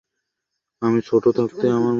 আমি ছোট থাকাতে আমার বাবা-মাকে মেরে ফেলা হয়েছিল।